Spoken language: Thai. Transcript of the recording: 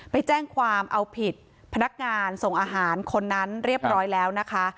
ไปแจ้งความเอาผิดพนักงานส่งอาหารคนนั้นเรียบร้อยแล้วนะคะ